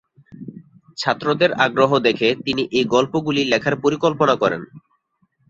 ছাত্রদের আগ্রহ দেখে তিনি এই গল্পগুলি লেখার পরিকল্পনা করেন।